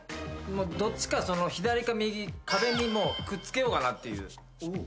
どっちか左か右壁にくっつけようかなっていう。